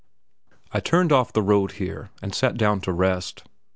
I turned off the road here, and sat down to rest.